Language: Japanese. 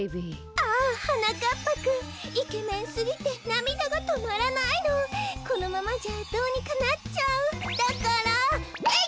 ああはなかっぱくんイケメンすぎてなみだがとまらないのこのままじゃどうにかなっちゃうだからえいっ！